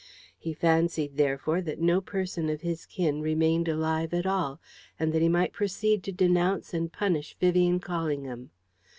He fancied, therefore, that no person of his kin remained alive at all, and that he might proceed to denounce and punish Vivian Callingham.